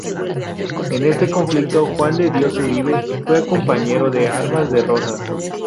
En este conflicto Juan de Dios Uribe fue compañero de armas de Rosas.